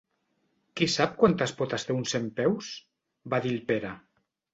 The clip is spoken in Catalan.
Qui sap quantes potes té un centpeus? —va dir el Pere.